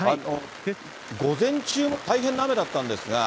午前中も大変な雨だったんですが。